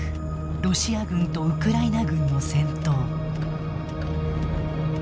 ロシア軍とウクライナ軍の戦闘。